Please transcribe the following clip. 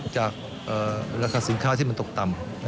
จากราคาสินค้าที่มันตกต่ำ